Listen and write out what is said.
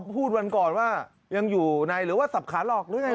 วันก่อนว่ายังอยู่ในหรือว่าสับขาหลอกหรือยังไง